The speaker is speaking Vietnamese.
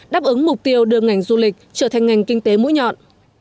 đáp ứng mục tiêu đưa ngành du lịch trở thành ngành kinh tế mũi nhọn